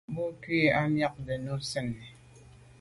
Bo ghù à miagte nu sènni.